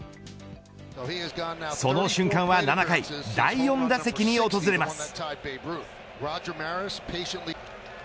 その瞬間は７回第４打席に訪れます。